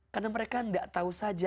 karena mereka gak tahu saja